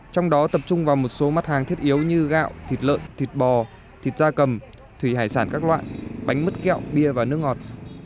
trong đó tập trung vào một số mặt hàng thiết yếu như gạo thịt lợn thịt bò thịt da cầm thủy hải sản các loại bánh mứt kẹo bia và nước ngọt